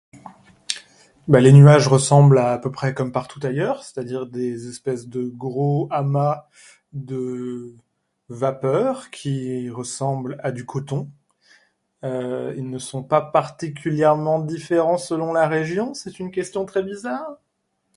Les nuages ressemblent à peu près comme partout ailleurs, c'est-à-dire des espèces de gros amas de vapeur qui ressemblent à du coton. Ils ne sont pas particulièrement différents selon la région. C'est une question très bizarre.